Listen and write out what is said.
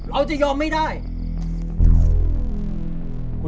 วันหนึ่งมันจะต้องชุ่มโชคไปด้วยราชา